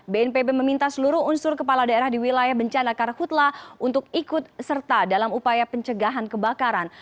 bnpb meminta seluruh unsur kepala daerah di wilayah bencana karhutla untuk ikut serta dalam upaya pencegahan kebakaran